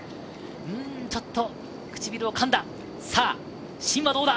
ちょっと唇をかんだ。